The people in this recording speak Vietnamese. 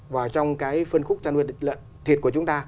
vào trong cái phân khúc chăn nuôi thịt của chúng ta